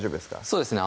そうですね